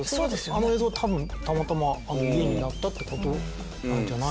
あの映像多分たまたまあの家になったって事なんじゃないですかね。